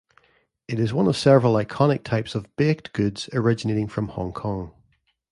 It is one of several iconic types of baked goods originating from Hong Kong.